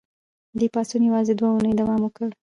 دې پاڅون یوازې دوه اونۍ دوام وکړ.